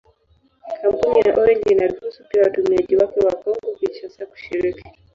Kampuni ya Orange inaruhusu pia watumiaji wake wa Kongo-Kinshasa kushiriki.